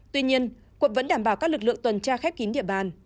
tuy nhiên quận vẫn đảm bảo các lực lượng tuần tra khép kín điện bản